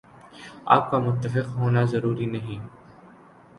آپ کا متفق ہونا ضروری نہیں ۔